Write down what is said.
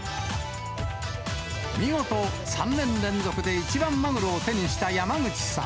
見事、３年連続で一番マグロを手にした山口さん。